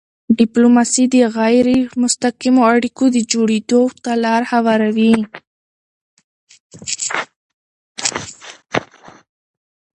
ډیپلوماسي د غیری مستقیمو اړیکو جوړېدو ته لاره هواروي.